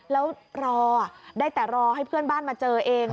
แล้วรอได้แต่รอให้เพื่อนบ้านมาเจอเอง